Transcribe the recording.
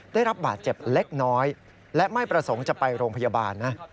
ได้รับบาดเจ็บเล็กน้อยและไม่ประสงค์จะไปโรงพยาบาลนะ